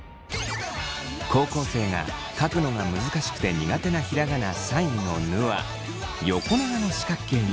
高校生が書くのが難しくて苦手なひらがな３位の「ぬ」は横長の四角形に。